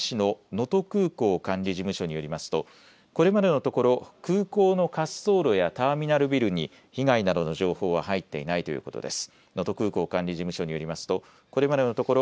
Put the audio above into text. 能登空港管理事務所によりますとこれまでのところ空港の滑走路やターミナルビルに被害などの情報は入っていないということです。